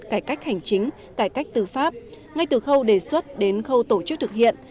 cải cách hành chính cải cách tư pháp ngay từ khâu đề xuất đến khâu tổ chức thực hiện